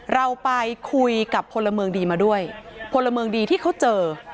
เราไปคุยกับพลเมืองดีมาด้วยพลเมืองดีที่เขาเจอ